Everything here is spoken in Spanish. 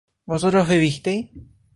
vosotros bebisteis